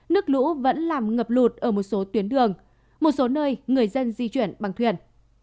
nước lũ vẫn làm ngập lụt ở một số tuyến đường một số nơi người dân di chuyển bằng thuyền